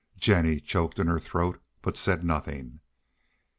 Jennie choked in her throat, but said nothing.